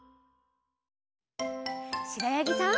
しろやぎさん。